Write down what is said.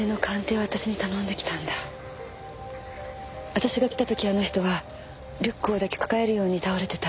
私が来た時あの人はリュックを抱きかかえるように倒れてた。